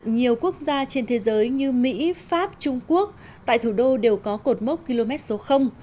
nhiều quốc gia trên thế giới như mỹ pháp trung quốc tại thủ đô đều có cột mốc km số